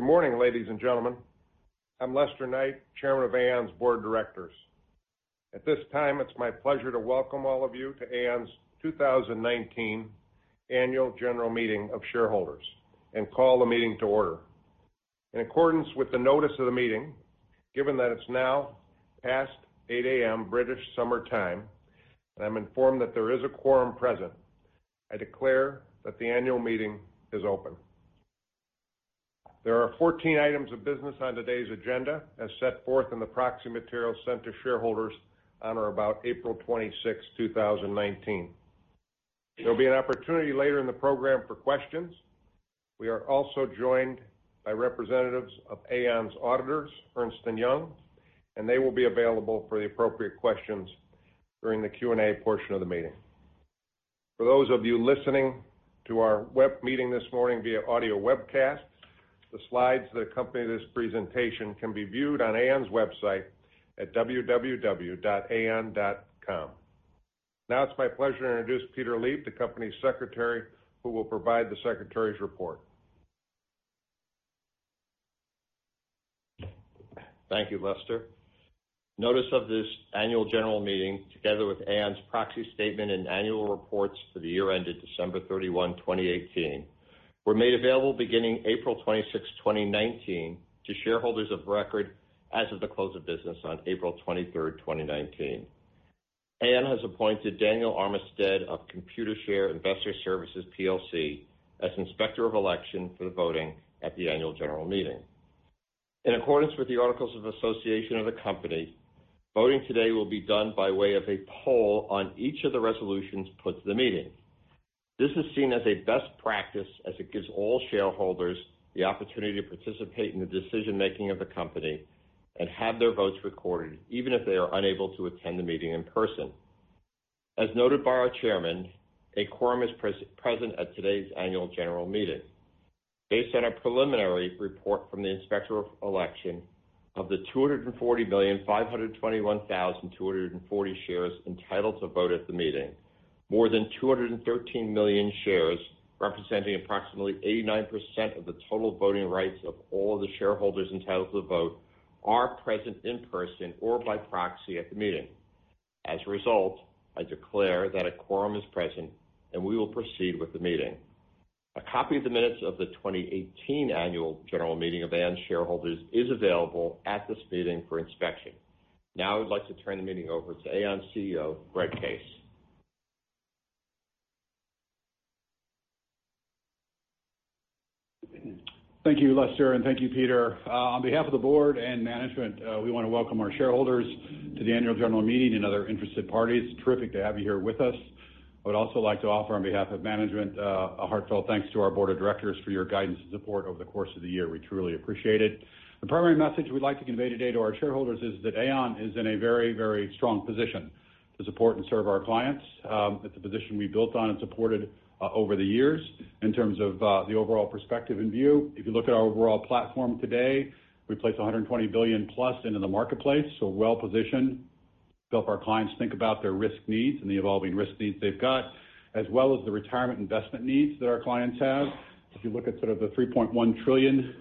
Good morning, ladies and gentlemen. I'm Lester Knight, chairman of Aon's board of directors. At this time, it's my pleasure to welcome all of you to Aon's 2019 Annual General Meeting of Shareholders and call the meeting to order. In accordance with the notice of the meeting, given that it's now past 8:00 A.M. British Summer Time, and I'm informed that there is a quorum present, I declare that the annual meeting is open. There are 14 items of business on today's agenda, as set forth in the proxy material sent to shareholders on or about April 26, 2019. There'll be an opportunity later in the program for questions. We are also joined by representatives of Aon's auditors, Ernst & Young, and they will be available for the appropriate questions during the Q&A portion of the meeting. For those of you listening to our web meeting this morning via audio webcast, the slides that accompany this presentation can be viewed on Aon's website at www.aon.com. It's my pleasure to introduce Peter Lieb, the company's secretary, who will provide the secretary's report. Thank you, Lester. Notice of this annual general meeting, together with Aon's proxy statement and annual reports for the year ended December 31, 2018, were made available beginning April 26, 2019, to shareholders of record as of the close of business on April 23, 2019. Aon has appointed Daniel Armistead of Computershare Investor Services PLC as Inspector of Election for the voting at the annual general meeting. In accordance with the articles of association of the company, voting today will be done by way of a poll on each of the resolutions put to the meeting. This is seen as a best practice as it gives all shareholders the opportunity to participate in the decision-making of the company and have their votes recorded, even if they are unable to attend the meeting in person. As noted by our chairman, a quorum is present at today's annual general meeting. Based on a preliminary report from the Inspector of Election, of the 240,521,240 shares entitled to vote at the meeting, more than 213 million shares, representing approximately 89% of the total voting rights of all of the shareholders entitled to vote, are present in person or by proxy at the meeting. As a result, I declare that a quorum is present, and we will proceed with the meeting. A copy of the minutes of the 2018 annual general meeting of Aon shareholders is available at this meeting for inspection. I would like to turn the meeting over to Aon CEO, Greg Case. Thank you, Lester, and thank you, Peter. On behalf of the board and management, we want to welcome our shareholders to the annual general meeting and other interested parties. Terrific to have you here with us. I would also like to offer on behalf of management, a heartfelt thanks to our board of directors for your guidance and support over the course of the year. We truly appreciate it. The primary message we'd like to convey today to our shareholders is that Aon is in a very strong position to support and serve our clients. It's a position we built on and supported over the years in terms of the overall perspective and view. If you look at our overall platform today, we place $120 billion plus into the marketplace, so well-positioned to help our clients think about their risk needs and the evolving risk needs they've got, as well as the retirement investment needs that our clients have. If you look at sort of the $3.1 trillion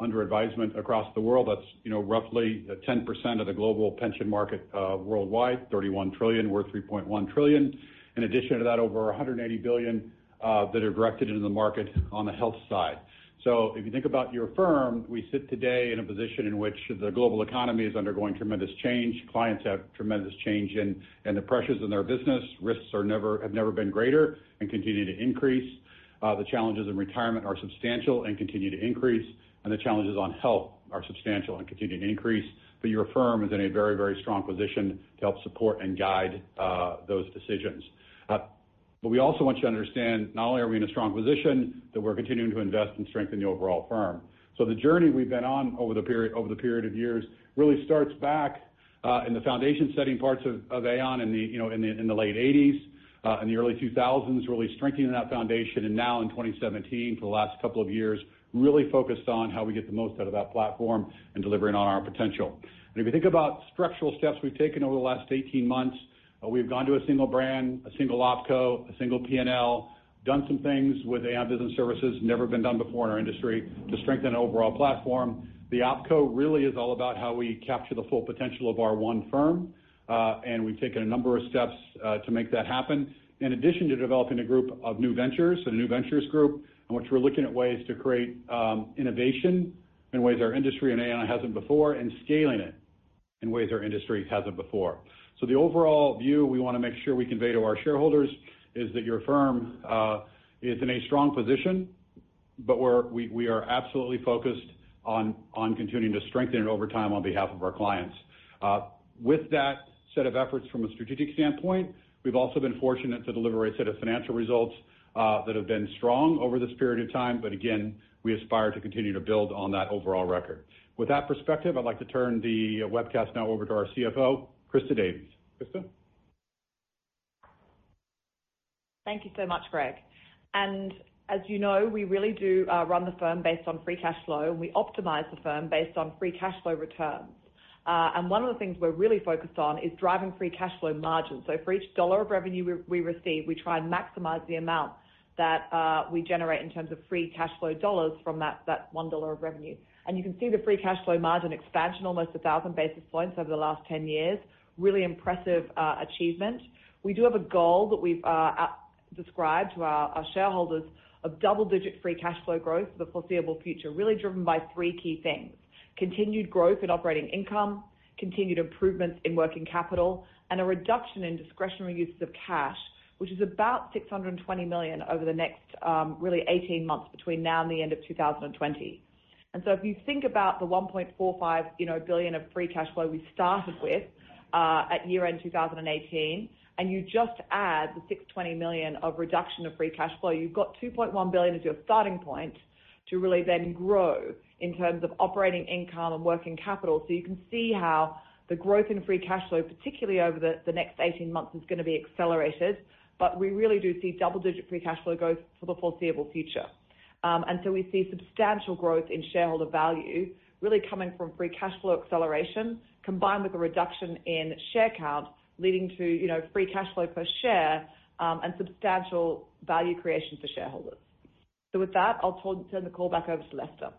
under advisement across the world, that's roughly 10% of the global pension market worldwide, $31 trillion, we're $3.1 trillion. In addition to that, over $180 billion that are directed into the market on the health side. If you think about your firm, we sit today in a position in which the global economy is undergoing tremendous change. Clients have tremendous change in the pressures in their business. Risks have never been greater and continue to increase. The challenges in retirement are substantial and continue to increase, and the challenges on health are substantial and continue to increase. Your firm is in a very strong position to help support and guide those decisions. We also want you to understand not only are we in a strong position, that we're continuing to invest and strengthen the overall firm. The journey we've been on over the period of years really starts back in the foundation-setting parts of Aon in the late '80s and the early 2000s, really strengthening that foundation, and now in 2017, for the last couple of years, really focused on how we get the most out of that platform and delivering on our potential. If you think about structural steps we've taken over the last 18 months, we've gone to a single brand, a single OpCo, a single P&L, done some things with Aon Business Services never been done before in our industry to strengthen overall platform. The OpCo really is all about how we capture the full potential of our one firm. We've taken a number of steps to make that happen. In addition to developing a group of new ventures, a new ventures group, in which we're looking at ways to create innovation in ways our industry and Aon hasn't before, and scaling it in ways our industry hasn't before. The overall view we want to make sure we convey to our shareholders is that your firm is in a strong position, but we are absolutely focused on continuing to strengthen it over time on behalf of our clients. With that set of efforts from a strategic standpoint, we've also been fortunate to deliver a set of financial results that have been strong over this period of time. Again, we aspire to continue to build on that overall record. With that perspective, I'd like to turn the webcast now over to our CFO, Christa Davies. Christa? Thank you so much, Greg. As you know, we really do run the firm based on free cash flow, and we optimize the firm based on free cash flow returns. One of the things we're really focused on is driving free cash flow margin. For each dollar of revenue we receive, we try and maximize the amount that we generate in terms of free cash flow dollars from that $1 of revenue. You can see the free cash flow margin expansion, almost 1,000 basis points over the last 10 years, really impressive achievement. We do have a goal that we've described to our shareholders of double-digit free cash flow growth for the foreseeable future, really driven by three key things. Continued growth in operating income, continued improvements in working capital, and a reduction in discretionary uses of cash, which is about $620 million over the next really 18 months between now and the end of 2020. If you think about the $1.45 billion of free cash flow we started with at year-end 2018, you just add the $620 million of reduction of free cash flow, you've got $2.1 billion as your starting point to really then grow in terms of operating income and working capital. You can see how the growth in free cash flow, particularly over the next 18 months, is going to be accelerated. We really do see double-digit free cash flow growth for the foreseeable future. We see substantial growth in shareholder value really coming from free cash flow acceleration combined with a reduction in share count, leading to free cash flow per share, and substantial value creation for shareholders. With that, I'll turn the call back over to Lester.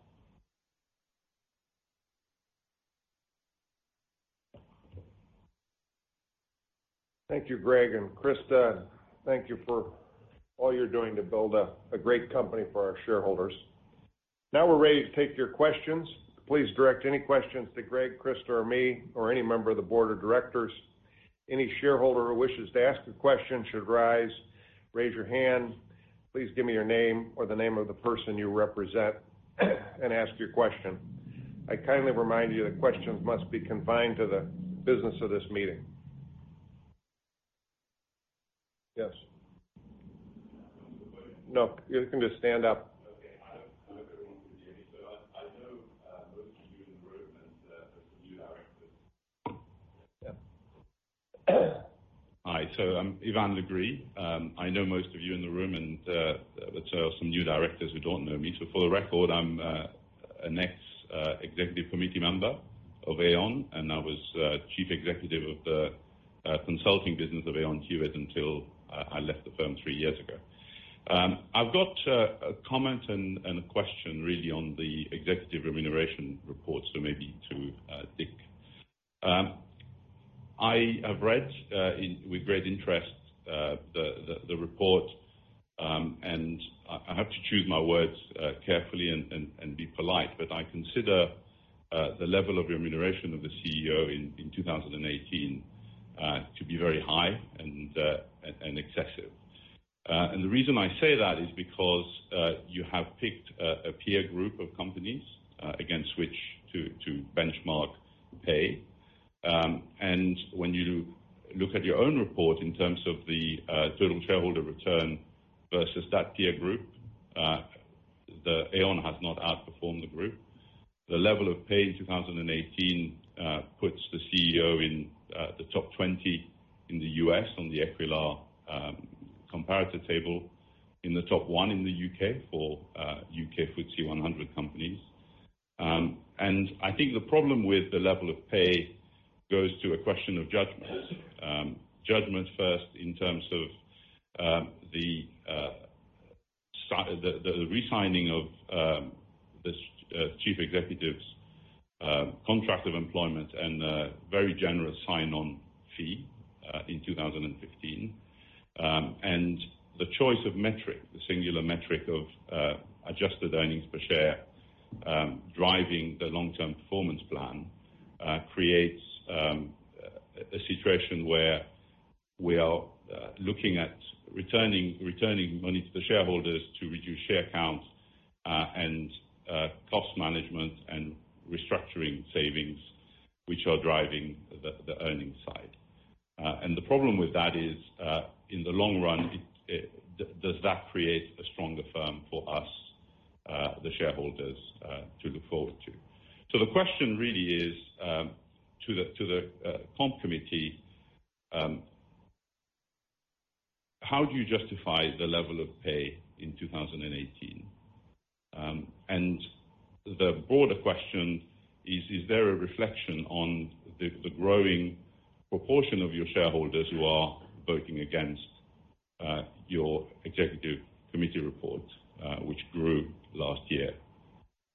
Thank you, Greg and Christa. Thank you for all you're doing to build a great company for our shareholders. Now we're ready to take your questions. Please direct any questions to Greg, Christa, or me, or any member of the Board of Directors. Any shareholder who wishes to ask a question should rise, raise your hand. Please give me your name or the name of the person you represent and ask your question. I kindly remind you that questions must be confined to the business of this meeting. Yes. No. You can just stand up. Okay. I hope everyone can hear me. I know most of you in the room, and there are some new directors. Hi, I'm Yvan Le Gris. I know most of you in the room, but there are some new directors who don't know me. For the record, I'm an ex-Executive Committee member of Aon, and I was Chief Executive of the consulting business of Aon Hewitt until I left the firm three years ago. I've got a comment and a question really on the executive remuneration report, so maybe to Dick. I have read with great interest the report. I have to choose my words carefully and be polite, but I consider the level of remuneration of the CEO in 2018 to be very high and excessive. The reason I say that is because you have picked a peer group of companies against which to benchmark pay. When you look at your own report in terms of the total shareholder return versus that peer group, Aon has not outperformed the group. The level of pay in 2018 puts the CEO in the top 20 in the U.S. on the Equilar comparator table, and the top one in the U.K. for U.K. FTSE 100 companies. I think the problem with the level of pay goes to a question of judgment. Judgment first in terms of the re-signing of the Chief Executive's contract of employment and a very generous sign-on fee in 2015. The choice of metric, the singular metric of adjusted earnings per share driving the long-term performance plan creates a situation where we are looking at returning money to the shareholders to reduce share count and cost management and restructuring savings, which are driving the earning side. The problem with that is, in the long run, does that create a stronger firm for us, the shareholders, to look forward to? The question really is to the Compensation Committee, how do you justify the level of pay in 2018? The broader question is: Is there a reflection on the growing proportion of your shareholders who are voting against your Executive Committee report which grew last year?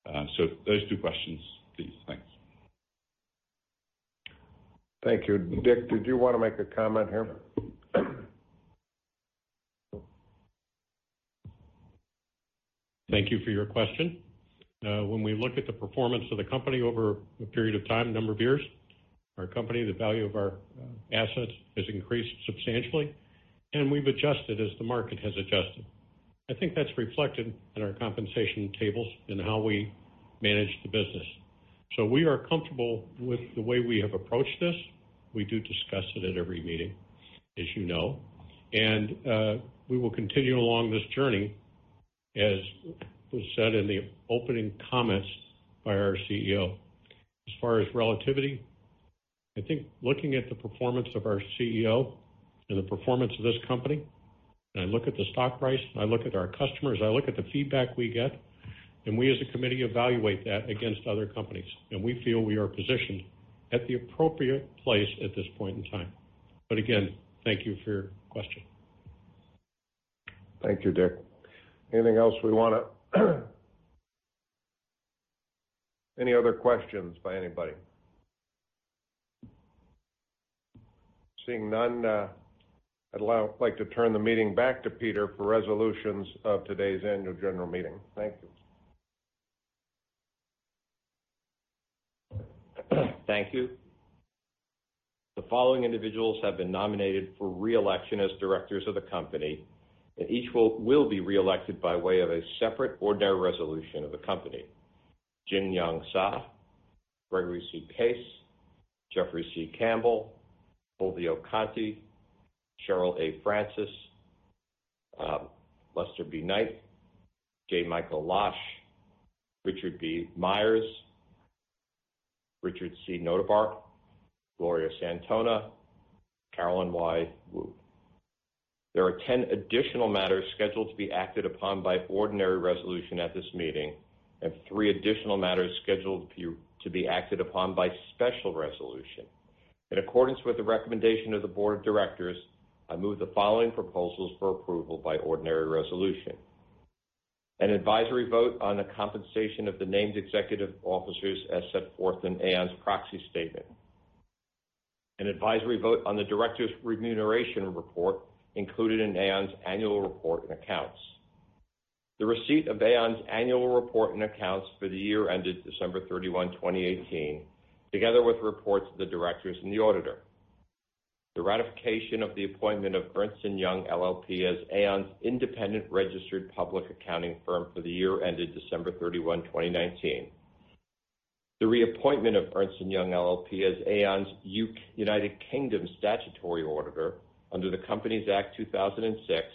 Those two questions, please. Thanks. Thank you. Dick, did you want to make a comment here? Thank you for your question. When we look at the performance of the company over a period of time, a number of years, our company, the value of our assets has increased substantially, and we've adjusted as the market has adjusted. I think that's reflected in our compensation tables and how we manage the business. We are comfortable with the way we have approached this. We do discuss it at every meeting, as you know, and we will continue along this journey, as was said in the opening comments by our CEO. As far as relativity I think looking at the performance of our CEO and the performance of this company, and I look at the stock price, and I look at our customers, I look at the feedback we get, and we as a committee evaluate that against other companies, and we feel we are positioned at the appropriate place at this point in time. Again, thank you for your question. Thank you, Dick. Any other questions by anybody? Seeing none, I'd like to turn the meeting back to Peter for resolutions of today's annual general meeting. Thank you. Thank you. The following individuals have been nominated for re-election as Directors of the company, and each will be re-elected by way of a separate ordinary resolution of the company. Jin-Yong Cai, Gregory C. Case, Jeffrey C. Campbell, Fulvio Conti, Cheryl A. Francis, Lester B. Knight, J. Michael Losh, Richard B. Myers, Richard C. Notebaert, Gloria Santona, Carolyn Y. Woo. There are 10 additional matters scheduled to be acted upon by ordinary resolution at this meeting, and three additional matters scheduled to be acted upon by special resolution. In accordance with the recommendation of the Board of Directors, I move the following proposals for approval by ordinary resolution. An advisory vote on the compensation of the named executive officers as set forth in Aon's proxy statement. An advisory vote on the Directors' remuneration report included in Aon's annual report and accounts. The receipt of Aon's annual report and accounts for the year ended December 31, 2018, together with reports of the directors and the auditor. The ratification of the appointment of Ernst & Young LLP as Aon's independent registered public accounting firm for the year ended December 31, 2019. The reappointment of Ernst & Young LLP as Aon's United Kingdom statutory auditor under the Companies Act 2006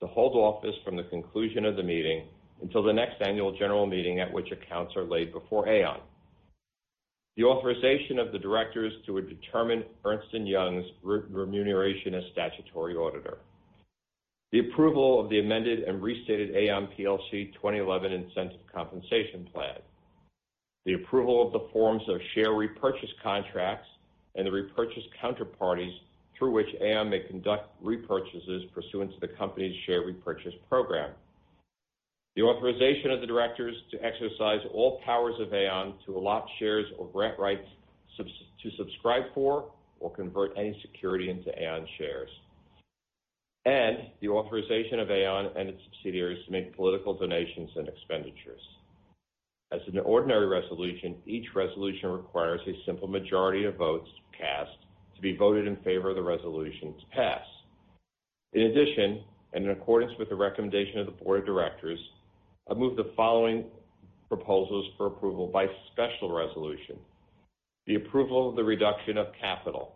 to hold office from the conclusion of the meeting until the next annual general meeting at which accounts are laid before Aon. The authorization of the directors to determine Ernst & Young's remuneration as statutory auditor. The approval of the amended and restated Aon plc 2011 Incentive Plan. The approval of the forms of share repurchase contracts and the repurchase counterparties through which Aon may conduct repurchases pursuant to the company's share repurchase program. The authorization of the directors to exercise all powers of Aon to allot shares or grant rights to subscribe for or convert any security into Aon shares. The authorization of Aon and its subsidiaries to make political donations and expenditures. As an ordinary resolution, each resolution requires a simple majority of votes cast to be voted in favor of the resolution to pass. In addition, in accordance with the recommendation of the Board of Directors, I move the following proposals for approval by special resolution. The approval of the reduction of capital.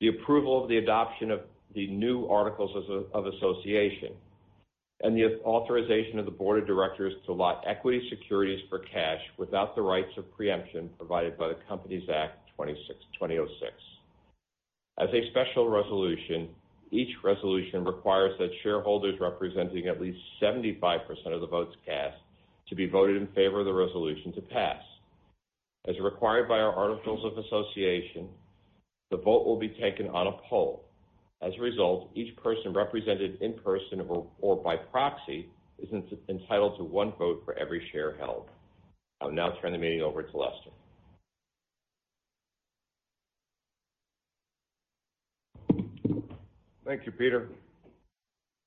The approval of the adoption of the new articles of association, and the authorization of the Board of Directors to allot equity securities for cash without the rights of preemption provided by the Companies Act 2006. As a special resolution, each resolution requires that shareholders representing at least 75% of the votes cast to be voted in favor of the resolution to pass. As required by our articles of association, the vote will be taken on a poll. As a result, each person represented in person or by proxy is entitled to one vote for every share held. I will now turn the meeting over to Lester. Thank you, Peter.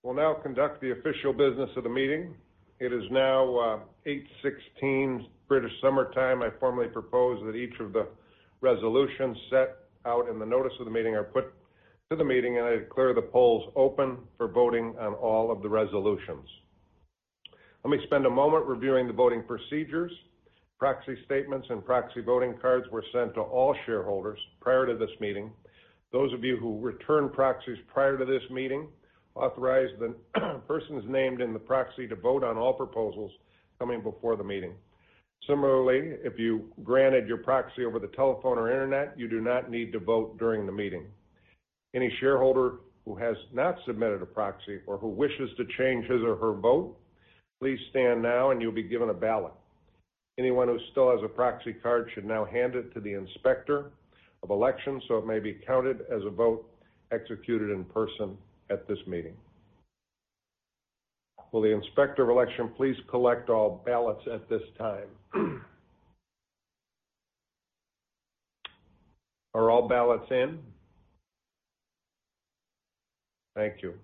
We'll now conduct the official business of the meeting. It is now 8:16 British Summer Time. I formally propose that each of the resolutions set out in the notice of the meeting are put to the meeting. I declare the polls open for voting on all of the resolutions. Let me spend a moment reviewing the voting procedures. Proxy statements and proxy voting cards were sent to all shareholders prior to this meeting. Those of you who returned proxies prior to this meeting authorized the persons named in the proxy to vote on all proposals coming before the meeting. Similarly, if you granted your proxy over the telephone or internet, you do not need to vote during the meeting. Any shareholder who has not submitted a proxy or who wishes to change his or her vote, please stand now. You'll be given a ballot. Anyone who still has a proxy card should now hand it to the Inspector of Election so it may be counted as a vote executed in person at this meeting. Will the Inspector of Election please collect all ballots at this time? Are all ballots in? Thank you.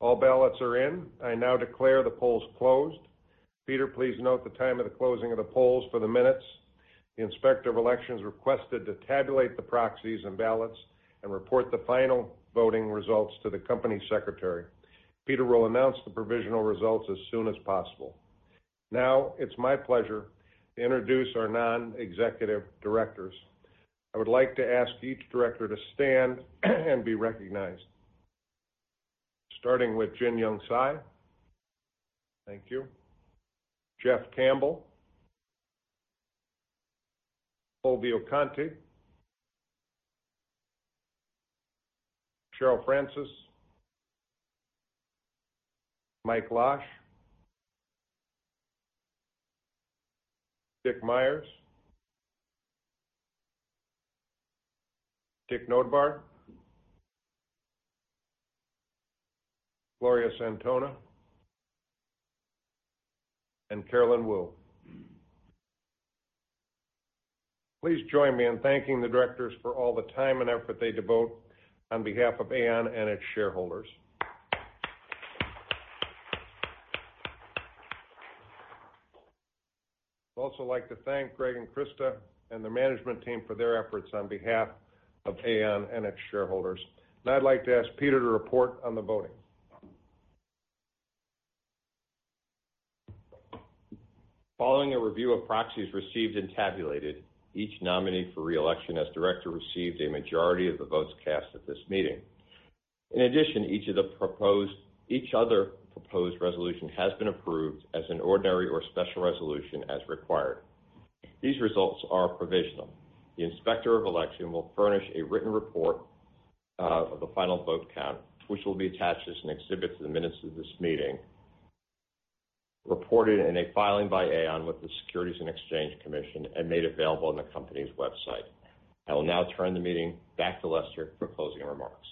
All ballots are in. I now declare the polls closed. Peter, please note the time of the closing of the polls for the minutes. The Inspector of Election requested to tabulate the proxies and ballots and report the final voting results to the Company Secretary. Peter will announce the provisional results as soon as possible. Now it's my pleasure to introduce our non-executive directors. I would like to ask each director to stand and be recognized. Starting with Jin-Yong Cai. Thank you. Jeff Campbell. Fulvio Conti. Cheryl Francis. Mike Losh. Dick Myers. Dick Notebaert. Gloria Santona. Carolyn Woo. Please join me in thanking the directors for all the time and effort they devote on behalf of Aon and its shareholders. I'd also like to thank Greg and Christa and the management team for their efforts on behalf of Aon and its shareholders. Now I'd like to ask Peter to report on the voting. Following a review of proxies received and tabulated, each nominee for re-election as director received a majority of the votes cast at this meeting. In addition, each other proposed resolution has been approved as an ordinary or special resolution as required. These results are provisional. The Inspector of Election will furnish a written report of the final vote count, which will be attached as an exhibit to the minutes of this meeting, reported in a filing by Aon with the Securities and Exchange Commission, made available on the company's website. I will now turn the meeting back to Lester for closing remarks.